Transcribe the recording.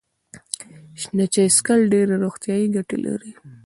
شنه چای څښل ډیرې روغتیايي ګټې لري.